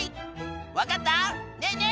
わかった？ねえねえ！